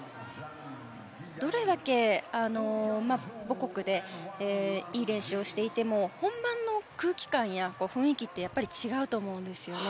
どれだけ母国でいい練習をしていても本番の空気感や雰囲気ってやっぱり違うと思うんですよね。